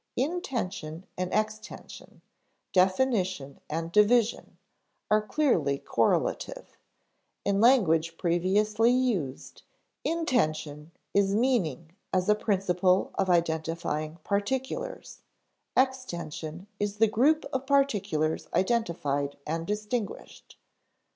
Intension and extension, definition and division, are clearly correlative; in language previously used, intension is meaning as a principle of identifying particulars; extension is the group of particulars identified and distinguished.